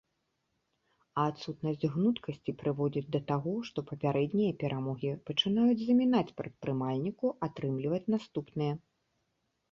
А адсутнасць гнуткасці прыводзіць да таго, што папярэднія перамогі пачынаюць замінаць прадпрымальніку атрымліваць наступныя.